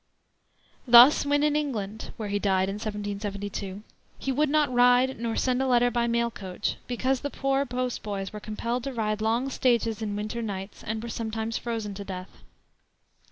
Thus, when in England where he died in 1772 he would not ride nor send a letter by mail coach, because the poor post boys were compelled to ride long stages in winter nights, and were sometimes frozen to death.